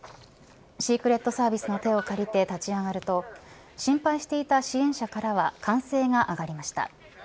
シークレットサービスの手を借りて立ち上がると心配していた支援者からは歓声が上がりました。